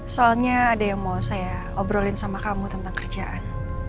soalnya ada yang mau saya obrolin sama kamu tentang kerjaan